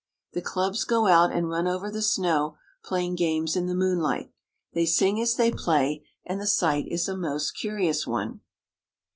The clubs go out and run over the snow, playing games in the moonlight. They sing as they play, and the sight is a most curious one.